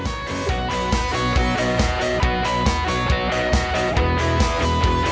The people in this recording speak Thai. ก็ปีนี้แย่เลย